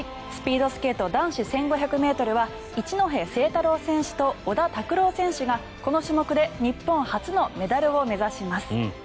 スピードスケート男子１５００ｍは一戸誠太郎選手と小田卓朗選手がこの種目で日本初のメダルを目指します。